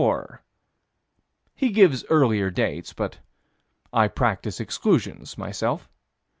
He gives earlier dates, but I practice exclusions, myself.